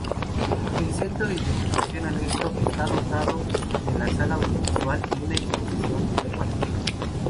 El centro de interpretación anexo está dotado de sala audiovisual y una exposición permanente.